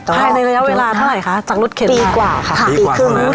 ภายในระยะเวลาเท่าไหร่คะจากรถเข็นปีกว่าค่ะปีกว่าครับปีกว่าครับ